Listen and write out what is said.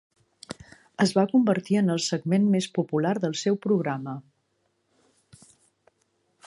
Es va convertir en el segment més popular del seu programa.